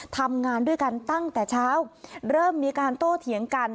ทำงานด้วยกันตั้งแต่เช้าเริ่มมีการโต้เถียงกัน